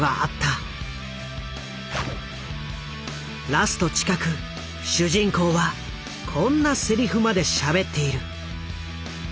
ラスト近く主人公はこんなセリフまでしゃべっている。